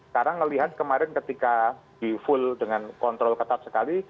sekarang ngelihat kemarin ketika di full dengan kontrol ketat sekarang